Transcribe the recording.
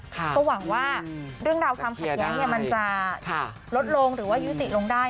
ก็หวังว่าเรื่องราวความขัดแย้งมันจะลดลงหรือว่ายุติลงได้